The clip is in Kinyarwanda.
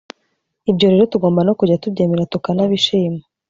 “Ibyo rero tugomba no kujya tubyemera tukanabishima